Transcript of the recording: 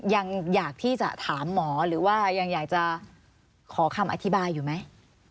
อยากที่จะถามหมอหรือว่ายังอยากจะขอคำอธิบายอยู่ไหม